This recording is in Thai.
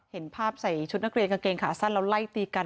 เห็นภาพใส่ชุดนักเรียนกางเกงขาสั้นแล้วไล่ตีกัน